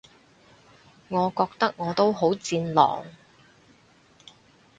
我覺得我都好戰狼